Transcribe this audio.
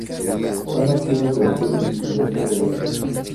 Son nativas del sur y sudeste de Asia.